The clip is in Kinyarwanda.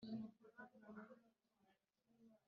ashobora gutera igikumwe cyangwa agakoresha gusinya